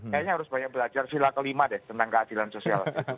kayaknya harus banyak belajar vila kelima deh tentang keadilan sosial